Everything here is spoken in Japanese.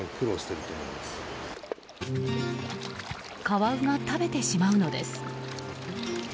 カワウが食べてしまうのです。